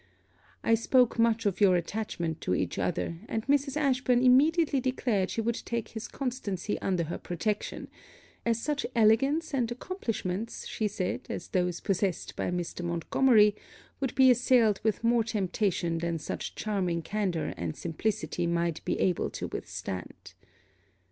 I spoke much of your attachment to each other; and Mrs. Ashburn immediately declared she would take his constancy under her protection, as such elegance and accomplishments, she said, as those possessed by Mr. Montgomery would be assailed with more temptation than such charming candour and simplicity might be able to withstand.